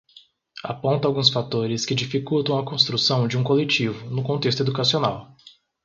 aponta alguns fatores que dificultam a construção de um coletivo, no contexto educacional